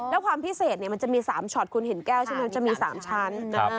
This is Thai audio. แล้วความพิเศษมันจะมี๓ช็อตคุณเห็นแก้วใช่ไหมจะมี๓ชั้น